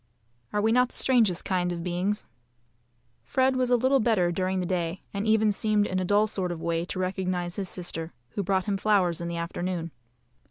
Are we not the strangest kind of beings? Fred was a little better during the day, and even seemed in a dull sort of way to recognise his sister, who brought him flowers in the afternoon.